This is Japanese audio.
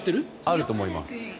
あると思います。